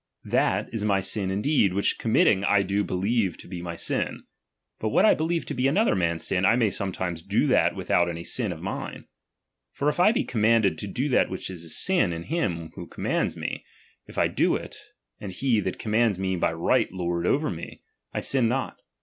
That is my wditiouiupiJiiotisin indeed, which committing I do believe to be my sin ; but what I believe to be another man's sin, I may sometimes do that without any sin of mine. For if I be commanded to do that which is a sin in him who commands me, if I do it, and he that commands me be by right lord over me, I sin not.